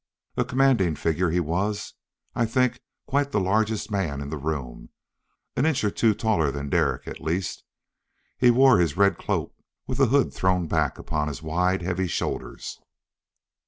A commanding figure, he was, I think, quite the largest man in the room. An inch or two taller than Derek, at the least. He wore his red cloak with the hood thrown back upon his wide heavy shoulders.